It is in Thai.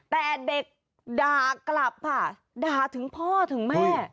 แต่เด็กด่ากลับค่ะด่าถึงพ่อถึงแม่